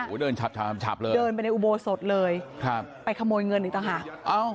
โหเดินชับชับเลยเดินไปในอุโบสถเลยครับไปขโมยเงินอีกต่อค่ะอ้าว